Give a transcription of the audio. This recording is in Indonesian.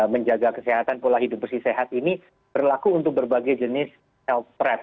menjaga kesehatan pola hidup bersih sehat ini berlaku untuk berbagai jenis health pret